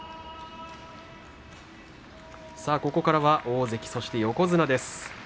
ここからは大関、横綱です。